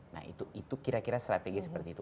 nah itu kira kira strategi seperti itu